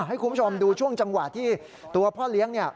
ให้คุณผู้ชมดูช่วงจังหวะที่ตัวพ่อเลี้ยงเนี่ย